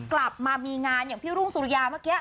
กลับมามีงานอย่างพี่รุ่งสุริยาเมื่อกี้